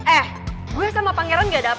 eh gue sama pangeran gak ada apa dua